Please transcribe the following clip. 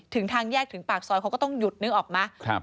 ทางแยกถึงปากซอยเขาก็ต้องหยุดนึกออกไหม